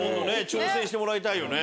挑戦してもらいたいよね。